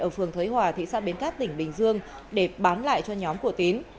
ở phường thới hòa thị xã bến cát tỉnh bình dương để bán lại cho nhóm cổ tín